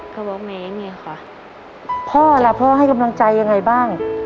ก็บอกแม่อย่างนี้ค่ะพ่อล่ะพ่อให้กำลังใจยังไงบ้าง